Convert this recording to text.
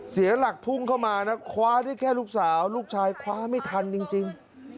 เสียหลักพุ่งเข้ามานะคว้าได้แค่ลูกสาวลูกชายคว้าไม่ทันจริง